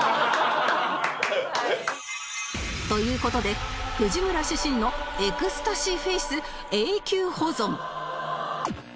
という事で藤村シシンのエクスタシーフェイス永久保存